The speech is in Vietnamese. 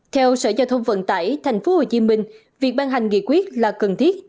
theo sở giao thông vận tải tp hcm việc ban hành nghị quyết là cần thiết